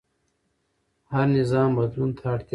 هر نظام بدلون ته اړتیا لري